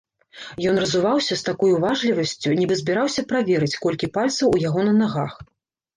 Ён разуваўся з такой уважлівасцю, нібы збіраўся праверыць, колькі пальцаў у яго на нагах.